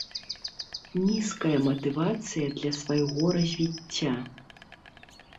Нізкая матывацыя для свайго развіцця.